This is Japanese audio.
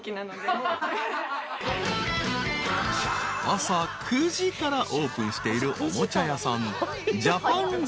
［朝９時からオープンしているおもちゃ屋さん］